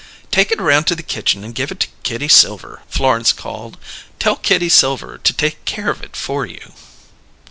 "Take it around to the kitchen and give it to Kitty Silver," Florence called. "Tell Kitty Silver to take care of it for you."